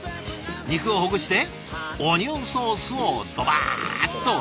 肉をほぐしてオニオンソースをドバッと。